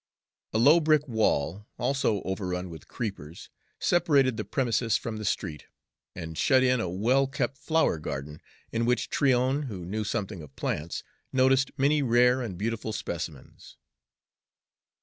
A low brick wall, also overrun with creepers, separated the premises from the street and shut in a well kept flower garden, in which Tryon, who knew something of plants, noticed many rare and beautiful specimens.